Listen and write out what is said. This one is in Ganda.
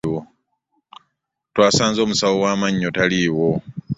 Twasanze omusawo wa mannyo taliiwo.